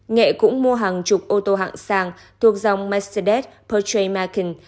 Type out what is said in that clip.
nghệ cũng mua hàng chục ô tô hạng sang thuộc dòng mercedes benz pertramarkin